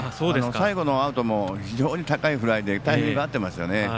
最後のアウトも非常に高いフライでタイミング合ってましたよね。